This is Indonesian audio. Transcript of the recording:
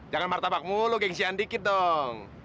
jangan martabak mulu gengsian dikit dong